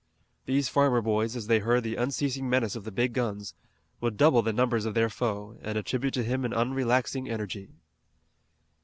These farmer boys, as they heard the unceasing menace of the big guns, would double the numbers of their foe, and attribute to him an unrelaxing energy.